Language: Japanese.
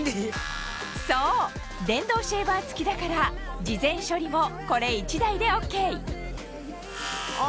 そう電動シェーバー付きだから事前処理もこれ１台でＯＫあ